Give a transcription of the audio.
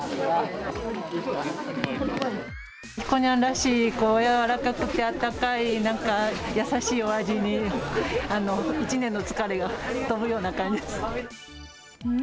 ひこにゃんらしい、柔らかくてあったかい優しいお味に、一年の疲れが吹っ飛ぶような感じです。